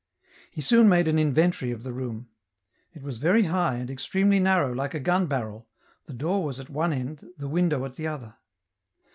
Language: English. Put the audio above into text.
He soon made an inventory of the room ; it was very high and extremely narrow like a gun barrel, the door was at one end, the window at the other.